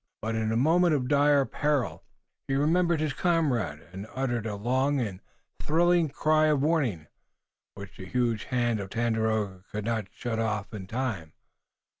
But in the moment of dire peril he remembered his comrade and uttered a long and thrilling cry of warning, which the huge hand of Tandakora could not shut off in time.